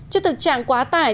trước thực trạng quá tải